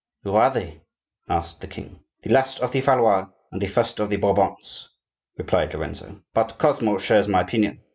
"Who are they?" asked the king. "The last of the Valois and the first of the Bourbons," replied Lorenzo. "But Cosmo shares my opinion.